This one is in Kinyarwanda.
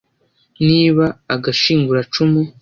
niha agashinguracumu